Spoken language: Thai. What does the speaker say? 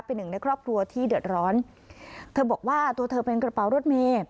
เป็นหนึ่งในครอบครัวที่เดือดร้อนเธอบอกว่าตัวเธอเป็นกระเป๋ารถเมย์